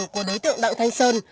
của đối tượng đặng thanh sơn